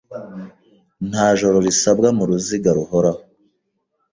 Nta joro risabwa muruziga ruhoraho